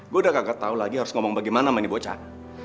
gue udah kagak tau lagi harus ngomong bagaimana sama ini bocah